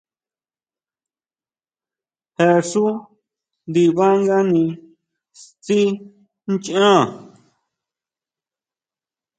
Je xú ndibangani tsí nchá.